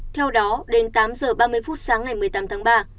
theo đó đến tám h ba mươi phút sáng ngày một mươi tám tháng ba